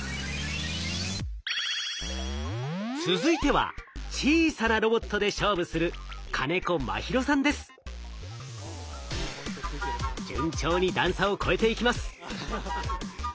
続いては小さなロボットで勝負する順調に段差を越えていきます。